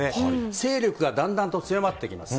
勢力がだんだんと強まってきます。